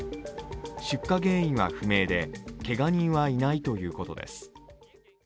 出火原因は不明で、けが人はいないということです。